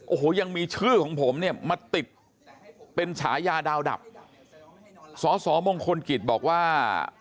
โอ้โหยังมีชื่อของผมเนี่ยมาติดเป็นฉายาดาวดับสอสอมงคลกิจบอกว่า